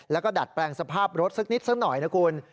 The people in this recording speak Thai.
แล้วก็ดัดแปลงสภาพรถสักนิดสักหน่อยนะคุณ